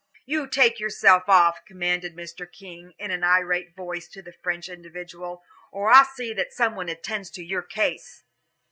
"You take yourself off," commanded Mr. King, in an irate voice to the French individual, "or I'll see that some one attends to your case."